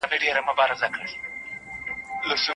د جرګي غړو به د هیواد د عزت لپاره هڅي کولي.